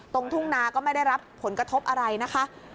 ทุ่งนาก็ไม่ได้รับผลกระทบอะไรนะคะ